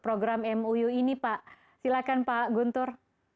program muu ini pak silahkan pak guntur